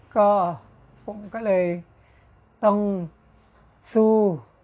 ก็ผมก็เลยต้องสู้